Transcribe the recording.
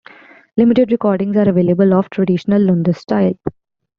Limited recordings are available of traditional lundus style.